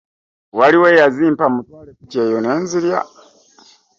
Waliwo eyazimpa mmutwale ku kyeyo ne nzirya.